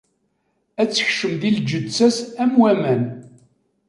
Ad tekcem di lǧetta-s am waman.